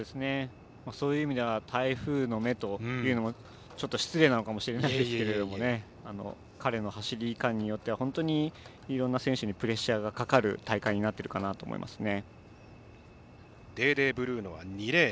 そういう意味では台風の目というのもちょっと失礼なのかもしれないですけれど彼の走りいかんによっては本当にいろんな選手にプレッシャーがかかる大会になっていますね。